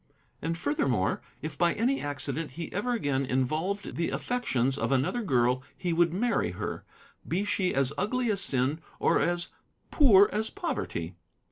And furthermore, if by any accident he ever again involved the affections of another girl he would marry her, be she as ugly as sin or as poor as poverty.